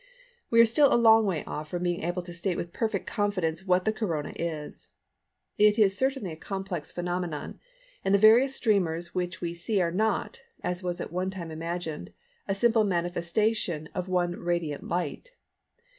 We are still a long way off from being able to state with perfect confidence what the Corona is. It is certainly a complex phenomenon, and the various streamers which we see are not, as was at one time imagined, a simple manifestation of one radiant light.